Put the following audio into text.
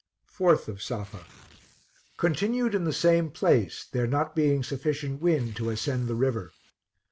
4th of Safa. Continued in the same place, there not being sufficient wind to ascend the river.